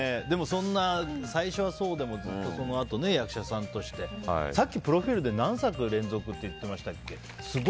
最初はそうでも、そのあと役者さんとして。さっきプロフィールで何作連続って言ってましたっけ？